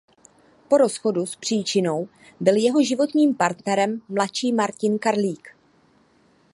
Po rozchodu s Příčinou byl jeho životním partnerem mladší Martin Karlík.